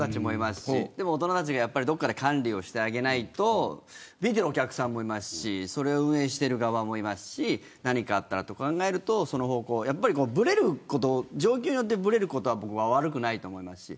でも大人たちがどこかで管理をしてあげないと見ているお客さんもいるし運営している側もいますし何かあったらと考えるとその方向状況によってぶれることは悪くないと思いますし。